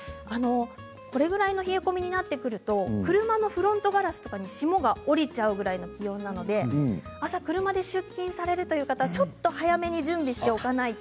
このぐらいの冷え込みになりますと車のフロントガラスに霜が降りてしまうぐらいの気温ですので朝、車で出勤されるという方はちょっと早めに準備をしておかないと。